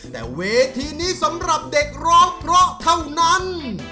แต่เวทีนี้สำหรับเด็กร้องเพราะเท่านั้น